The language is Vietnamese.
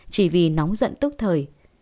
chỉ vì nóng giận tức thời